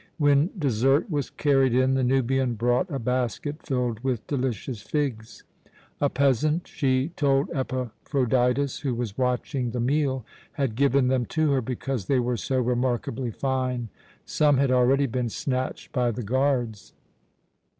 When dessert was carried in, the Nubian brought a basket filled with delicious figs. A peasant, she told Epaphroditus, who was watching the meal, had given them to her because they were so remarkably fine. Some had already been snatched by the guards.